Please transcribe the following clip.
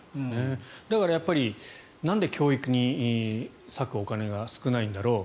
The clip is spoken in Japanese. だから、なんで教育に割くお金が少ないんだろう。